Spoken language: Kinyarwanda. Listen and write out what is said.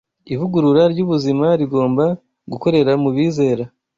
Ivugurura ry’ubuzima rigomba gukorera mu bizera